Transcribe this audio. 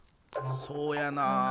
そうやな